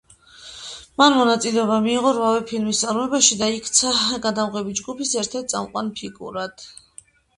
მან მონაწილეობა მიიღო რვავე ფილმის წარმოებაში და იქცა გადამღები ჯგუფის ერთ-ერთ წამყვან ფიგურად.